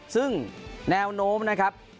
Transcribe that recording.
ซึ่งแนวโน้มนะครับ